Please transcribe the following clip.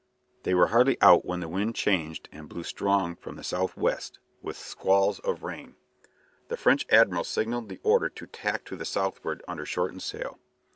They were hardly out when the wind changed and blew strong from the south west, with squalls of rain. The French admiral signalled the order to tack to the southward under shortened sail.